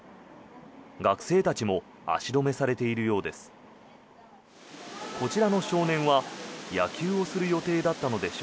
学生たちも足止めされているようです。